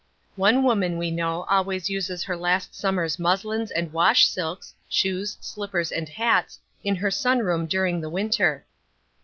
One woman we know always uses her last Summer's muslins and wash silks, shoes, slippers and hats in her sun room during the Winter.